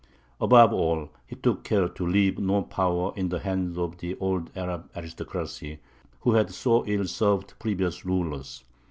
Above all, he took care to leave no power in the hands of the old Arab aristocracy, who had so ill served previous rulers.